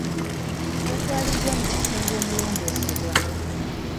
Yatwaliddwa mu kisenge omulongoosebwa.